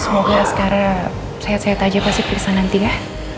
semoga sekarang sehat sehat aja pasti bisa nanti ya